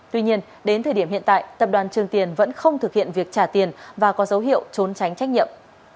tuy nhiên đến thời điểm hiện tại tập đoàn trường tiền vẫn không thực hiện việc trả tiền và có dấu hiệu trốn tránh trách nhiệm